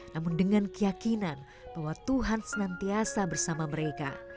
namun dengan keyakinan bahwa tuhan senantiasa bersama mereka